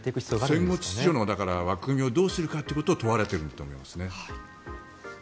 戦後秩序の枠組みをどうするかを問われているんだと思います。